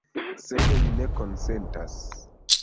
Sed li ne konsentas.